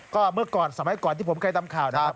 ก็เมื่อก่อนสมัยก่อนที่ผมเคยทำข่าวนะครับ